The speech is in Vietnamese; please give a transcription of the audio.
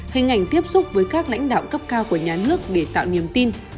hình ảnh tiếp xúc với các lãnh đạo cấp cao của nhà nước để tạo niềm tin